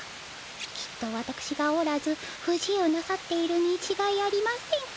きっとわたくしがおらずふ自由なさっているにちがいありません。